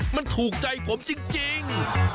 มันถูกใจผมจริง